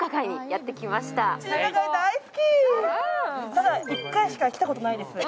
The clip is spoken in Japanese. ただ１回しか来たことがないです。